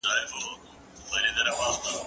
کښېناستل وکړه؟!